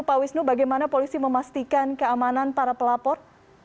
pak wisnu bagaimana polisi memastikan keamanan para pelapor